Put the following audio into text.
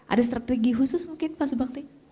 ada strategi khusus mungkin pak subakti